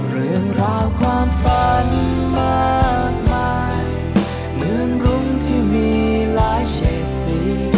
เรื่องราวความฝันมากมายเหมือนรุ้งที่มีหลายเฉดสี